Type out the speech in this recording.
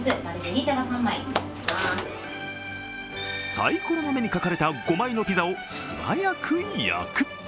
サイコロの目に書かれた５枚のピザを素早く焼く。